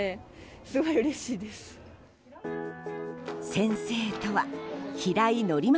先生とは平井伯昌